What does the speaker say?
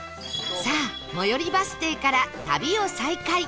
さあ最寄りバス停から旅を再開